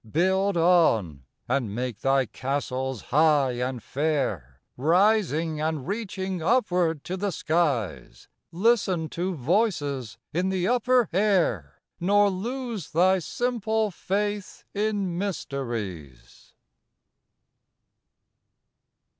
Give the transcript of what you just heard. Build on, and make thy castles high and fair, Rising and reaching upward to the skies; Listen to voices in the upper air, Nor lose thy simple faith in mysteries.